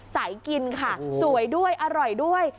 กินค่ะสวยด้วยอร่อยด้วย